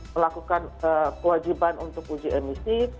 melakukan kewajiban untuk uji emisi